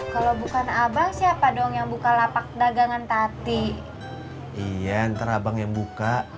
kalau bukan abang siapa dong yang buka lapak dagangan tati iya antara abang yang buka